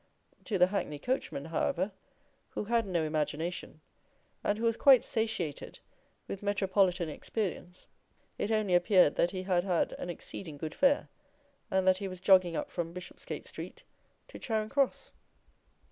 To the hackney coachman, however, who had no imagination, and who was quite satiated with metropolitan experience, it only appeared that he had had an exceeding good fare, and that he was jogging up from Bishopsgate Street to Charing Cross.